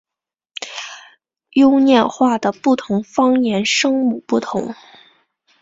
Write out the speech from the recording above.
优念话的不同方言声母不同。